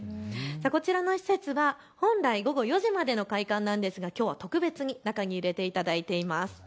こちらの施設は本来、午後４時までの開館なんですがきょうは特別に中に入れていただいています。